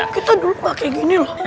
kita dulu pakai gini loh